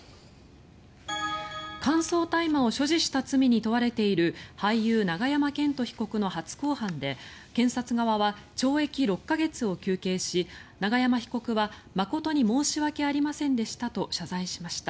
乾燥大麻を所持した罪に問われている俳優、永山絢斗被告の初公判で検察側は懲役６か月を求刑し永山被告は誠に申し訳ありませんでしたと謝罪しました。